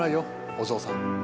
お嬢さん。